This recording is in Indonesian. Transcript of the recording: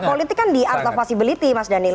politik kan di art of possibility mas daniel